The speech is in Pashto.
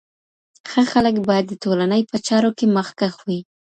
ښه خلک باید د ټولني په چارو کي مخکښ وي.